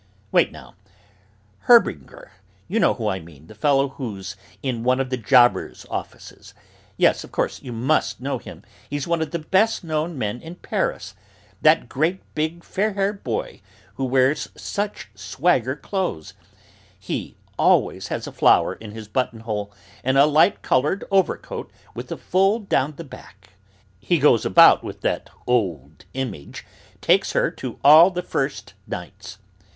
Wait now, Herbinger, you know who I mean, the fellow who's in one of the jobbers' offices; yes, of course, you must know him, he's one of the best known men in Paris, that great big fair haired boy who wears such swagger clothes; he always has a flower in his buttonhole and a light coloured overcoat with a fold down the back; he goes about with that old image, takes her to all the first nights.